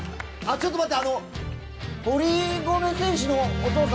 ちょっと待って。